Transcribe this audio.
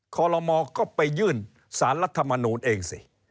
คลมก็ไปยื่นสารรัฐมนุษย์เองสิ